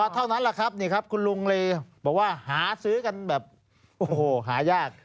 เท่านั้นแหละครับคุณลุงเลยบอกว่าหาซื้อกันแบบหายาก